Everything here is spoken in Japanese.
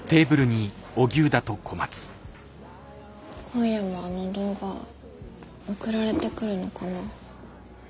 今夜もあの動画送られてくるのかな。